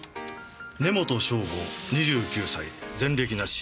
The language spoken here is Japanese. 根元尚吾２９歳前歴なし。